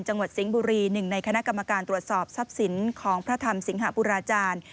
สิงห์บุรีหนึ่งในคณะกรรมการตรวจสอบทรัพย์สินของพระธรรมสิงหาปุราจารย์